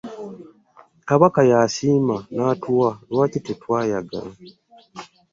Kabaka yasiima n'atuwa, lwaki tetweyagala?